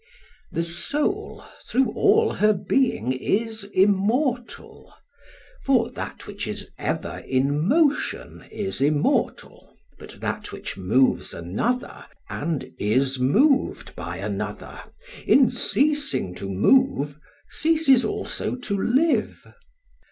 The soul through all her being is immortal, for that which is ever in motion is immortal; but that which moves another and is moved by another, in ceasing to move ceases also to live.